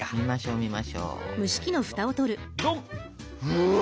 うわ！